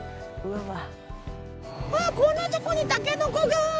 あっこんなとこにタケノコが！